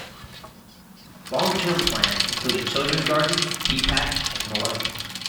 Long term plans include a Children's Garden, a Pea Patch, and more.